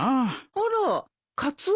あらカツオ